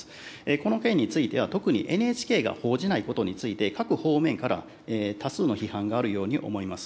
この件については、特にＮＨＫが報じないことについて、各方面から多数の批判があるように思います。